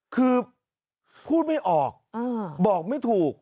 คือพูดไม่ออกบอกไม่ถูก